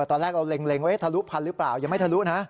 ตอนแรกเราเล็งว่าทะลุพันธุหรือเปล่ายังไม่ทะลุนะ